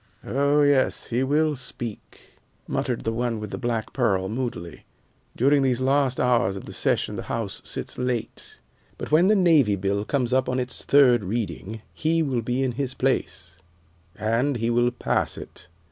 "Oh, yes, he will speak," muttered the one with the black pearl moodily. "During these last hours of the session the House sits late, but when the Navy bill comes up on its third reading he will be in his place and he will pass it."